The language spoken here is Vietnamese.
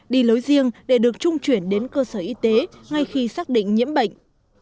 đi lối riêng để được trung chuyển đến cơ sở y tế ngay khi xác định nhiễm bệnh